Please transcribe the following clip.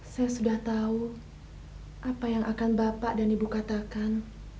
saya sudah tahu apa yang akan bapak dan ibu katakan